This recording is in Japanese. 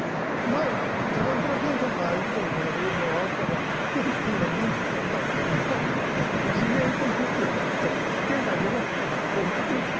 前高倉健さんが生きてる頃はよく笑ったのは健さんが銀座で止めたらドア開いて「渋谷行ってくれ」って言われて健さんしょうがないから送っていった。